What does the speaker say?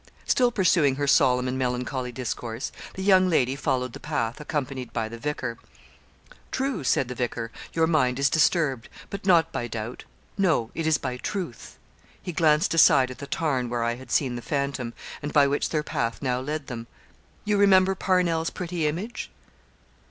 Still pursuing her solemn and melancholy discourse, the young lady followed the path, accompanied by the vicar. 'True,' said the vicar, 'your mind is disturbed, but not by doubt. No; it is by truth.' He glanced aside at the tarn where I had seen the phantom, and by which their path now led them 'You remember Parnell's pretty image?